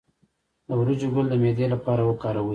د وریجو ګل د معدې لپاره وکاروئ